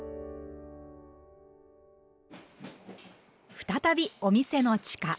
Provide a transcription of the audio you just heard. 再びお店の地下。